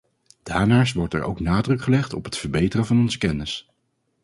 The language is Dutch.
Daarnaast wordt er ook nadruk gelegd op het verbeteren van onze kennis.